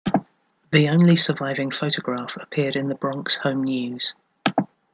The only surviving photograph appeared in the "Bronx Home News".